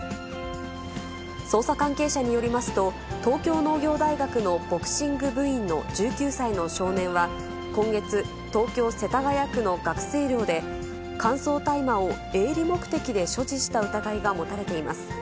捜査関係者によりますと、東京農業大学のボクシング部員の１９歳の少年は、今月、東京・世田谷区の学生寮で、乾燥大麻を営利目的で所持した疑いが持たれています。